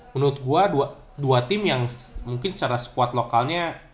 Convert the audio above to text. menurut gue dua tim yang mungkin secara squad lokalnya